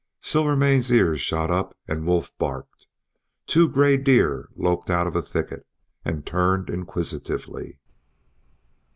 Silvermane's ears shot up and Wolf barked. Two gray deer loped out of a thicket and turned inquisitively.